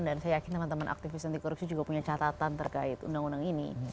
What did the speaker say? dan saya yakin teman teman aktivis anti korupsi juga punya catatan terkait undang undang ini